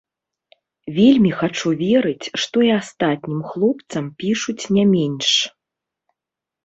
Вельмі хачу верыць, што і астатнім хлопцам пішуць не менш.